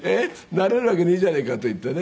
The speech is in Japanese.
なれるわけねえじゃねえか」と言ってね。